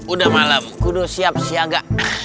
udah malam kudus siap siaga